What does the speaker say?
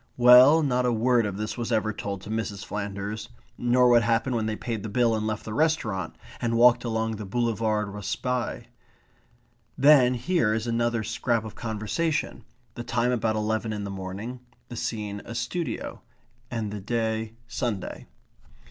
Well, not a word of this was ever told to Mrs. Flanders; nor what happened when they paid the bill and left the restaurant, and walked along the Boulevard Raspaille. Then here is another scrap of conversation; the time about eleven in the morning; the scene a studio; and the day Sunday.